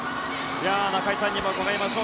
中居さんにも伺いましょう。